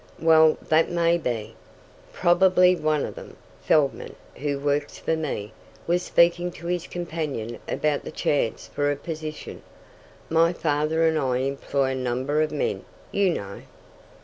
"Well, that may be. Probably one of them, Feldman, who works for me, was speaking to his companion about the chance for a position. My father and I employ a number of men, you know."